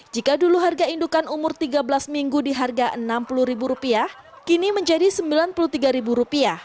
jika dulu harga indukan umur tiga belas minggu di harga rp enam puluh kini menjadi rp sembilan puluh tiga